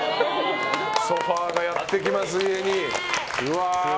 ソファがやってきます、家に。